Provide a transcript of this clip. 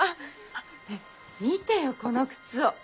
あ見てよこの靴を。